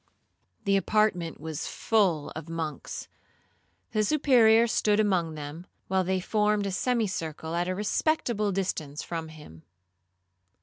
The apartment was full of monks; the Superior stood among them, while they formed a semicircle at a respectful distance from him.